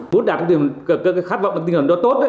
muốn đạt được cái khát vọng cái kinh doanh đó tốt